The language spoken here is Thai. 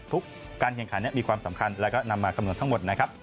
การแข่งขันมีความสำคัญแล้วก็นำมาคำนวณทั้งหมดนะครับ